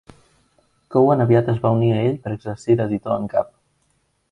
Cowan aviat es va unir a ell per exercir d'editor en cap.